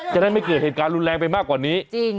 จะได้ไม่เกิดเหตุการณ์รุนแรงไปมากกว่านี้